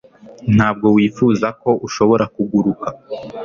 Ntabwo wifuza ko ushobora kuguruka